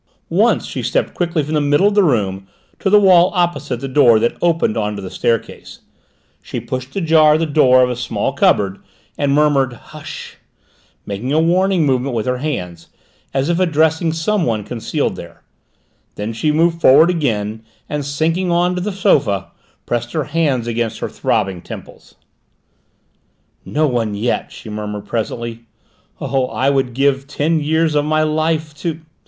Once she stepped quickly from the middle of the room to the wall opposite the door that opened on to the staircase; she pushed ajar the door of a small cupboard and murmured "hush," making a warning movement with her hands, as if addressing someone concealed there; then she moved forward again and, sinking on to the sofa, pressed her hands against her throbbing temples. "No one yet!" she murmured presently. "Oh, I would give ten years of my life to